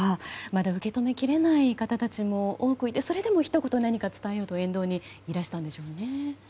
まだ受け止めきれない方たちも多くいて、それでも何かひと言伝えようと沿道にいらしたんでしょうね。